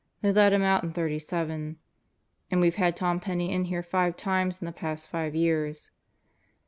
They let him out in '37. And we've had Tom Penney in here five times in the past five years.